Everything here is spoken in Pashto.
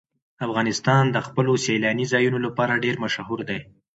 افغانستان د خپلو سیلاني ځایونو لپاره ډېر مشهور دی.